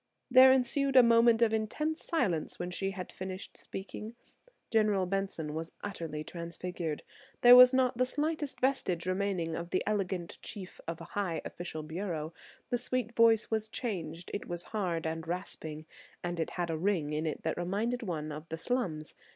There ensued a moment of intense silence when she had finished speaking. General Benson was utterly transfigured. There was not the slightest vestige remaining of the elegant chief of a high official bureau; the sweet voice was changed–it was hard and rasping and had a ring in it that reminded one of the slums.